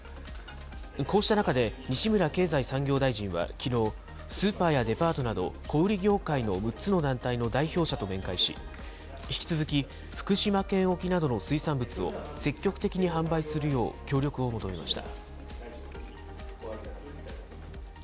こうした中で、西村経済産業大臣はきのう、スーパーやデパートなど小売り業界の６つの団体の代表者と面会し、引き続き、福島県沖などの水産物を積極的に販売するよう協力を求めました。